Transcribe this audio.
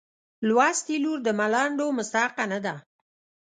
لوستې لور د ملنډو مستحقه نه ده.